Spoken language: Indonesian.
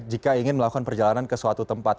jika ingin melakukan perjalanan ke suatu tempat